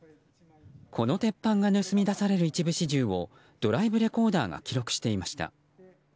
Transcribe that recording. この鉄板が盗み出される一部始終をドライブレコーダーが記録していました。